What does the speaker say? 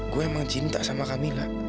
gue emang cinta sama kamila